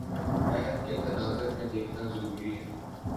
عہد کے تناظر میں دیکھنا ضروری ہے